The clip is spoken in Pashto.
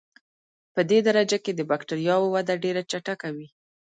پدې درجه کې د بکټریاوو وده ډېره چټکه وي.